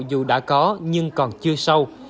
dù đã có nhưng còn chưa sâu